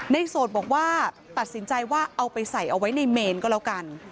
โสดบอกว่าตัดสินใจว่าเอาไปใส่เอาไว้ในเมนก็แล้วกัน